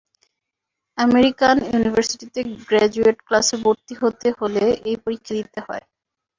American ইউনিভার্সিটিতে graduate ক্লাসে ভরতি হতে হলে এই পরীক্ষা দিতে হয়।